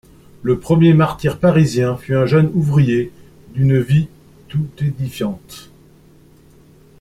Le premier martyr parisien fut un jeune ouvrier d'une vie tout édifiante.